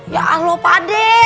ya allah pade